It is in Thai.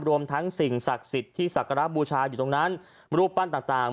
รวมทั้งสิ่งศักดิ์สิทธิ์ที่ศักระบูชาอยู่ตรงนั้นรูปปั้นต่าง